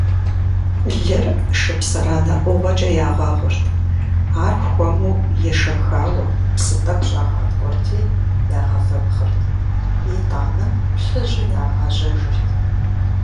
Лыр шыпсыранэ ӏугъуэкӏэ ягъэгъурт, ар хуэму ешэхауэ псы тӏэкӏу щӏагъаткӏуэрти ягъэвэпхъырт, итӏанэ плъыжьу ягъэжьэжырт.